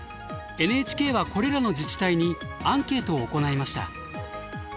ＮＨＫはこれらの自治体にアンケートを行いました。